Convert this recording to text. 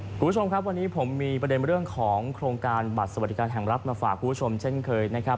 คุณผู้ชมครับวันนี้ผมมีประเด็นเรื่องของโครงการบัตรสวัสดิการแห่งรัฐมาฝากคุณผู้ชมเช่นเคยนะครับ